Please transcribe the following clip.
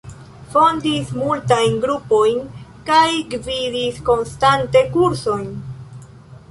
Fondis multajn grupojn kaj gvidis konstante kursojn.